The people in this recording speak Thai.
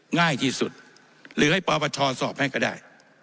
ง่ายที่สุดหรือให้ปปชสอบให้ก็ได้